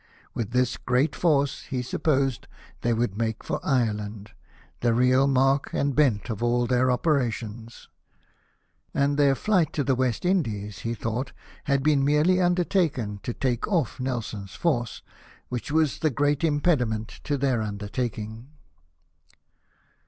With this great force, he supposed they would make for Ireland, the real mark and bent of all their opera tions : and their flight to the West Indies, he thought, had been merely undertaken to take off Nelson's force, which w.ms tlip great impe^liiu'^^nt tn thpir imdertaking.